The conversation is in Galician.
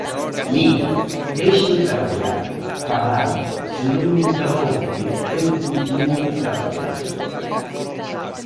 Mire, déixeme traballar, falar, se non me interrompe eu continúo traballando.